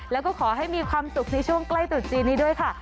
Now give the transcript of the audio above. แล้วก็ขอให้มีความสุขในช่วงใกล้ตรุษจีนนี้ด้วยค่ะ